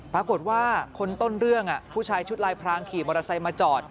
ปรากฏว่าคนต้นเรื่องผู้ชายชุดลายพรางขี่มอเตอร์ไซค์มาจอด